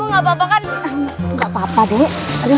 gak apa apa dek